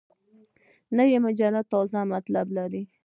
نوې مجله تازه مطالب لري